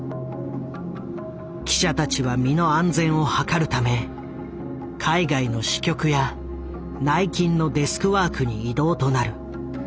記者たちは身の安全を図るため海外の支局や内勤のデスクワークに異動となる。